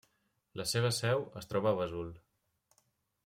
La seva seu es troba a Vesoul.